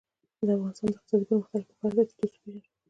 د افغانستان د اقتصادي پرمختګ لپاره پکار ده چې دوست وپېژنو.